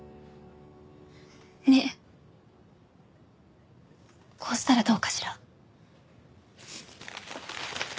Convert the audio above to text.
ねえこうしたらどうかしら？